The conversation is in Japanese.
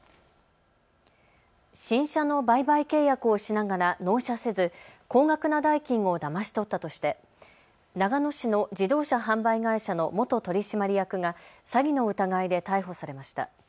新車の売買契約をしながら納車せず高額な代金をだまし取ったとして長野市の自動車販売会社の元取締役が詐欺の疑いで逮捕されました。